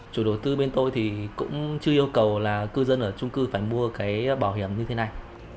chủ đầu tư bên tôi thì cũng chưa yêu cầu là cư dân ở trung cư phải mua cái bảo hiểm như thế này